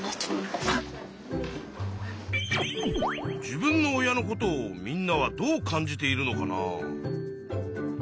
自分の親のことをみんなはどう感じているのかな？